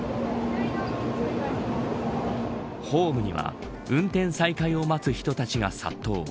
ホームには運転再開を待つ人たちが殺到。